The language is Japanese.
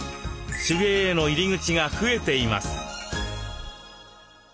手芸への入り口が増えています。